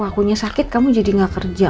akunya sakit kamu jadi gak kerja